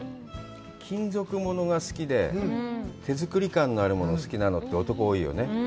金属物が好きで、手作り感のあるもの好きなのって、男が多いよね。